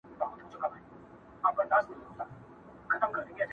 په زړه سخت په خوى ظالم لکه شداد وو٫